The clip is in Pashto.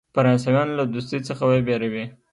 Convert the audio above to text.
فرانسویانو له دوستی څخه وبېروي.